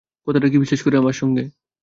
কথাটা কি বিশেষ করে আমার সঙ্গে?